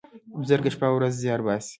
بزگر شپه او ورځ زیار باسي.